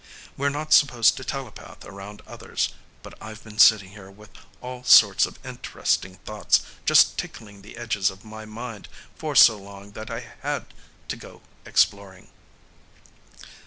We're not supposed to telepath around others, but I've been sitting here with all sorts of interesting thoughts just tickling the edges of my mind for so long that I had to go exploring."